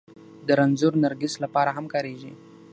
د رنځور نرګس لپاره هم کارېږي